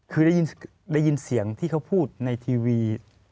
คือได้ยินเสียงที่เขาพูดในทีวี